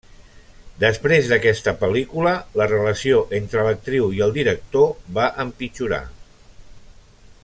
Després d'aquesta pel·lícula la relació entre l'actriu i el director va empitjorar.